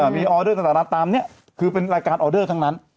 มีออเดอร์ต่างรับตามนี้คือเป็นรายการออเดอร์ทั้งนั้น